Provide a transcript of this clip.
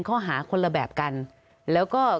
ข้อหาคนละแบบกันแล้วก็